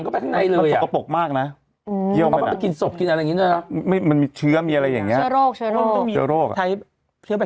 ไปแล้วไปแล้วไปแล้วอ่ะ